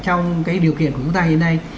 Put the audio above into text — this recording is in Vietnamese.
trong điều kiện của chúng ta hiện nay